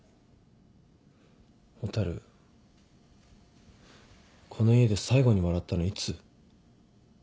蛍この家で最後に笑ったのいつ？